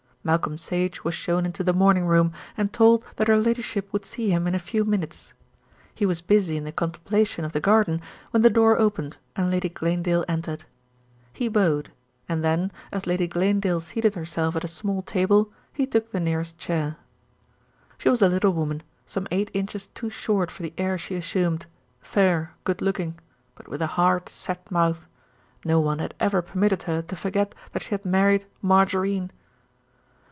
Malcolm Sage was shown into the morning room and told that her ladyship would see him in a few minutes. He was busy in the contemplation of the garden when the door opened and Lady Glanedale entered. He bowed and then, as Lady Glanedale seated herself at a small table, he took the nearest chair. She was a little woman, some eight inches too short for the air she assumed, fair, good looking; but with a hard, set mouth. No one had ever permitted her to forget that she had married margarine.